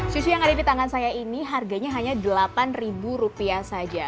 sushi yang ada di tangan saya ini harganya hanya delapan rupiah saja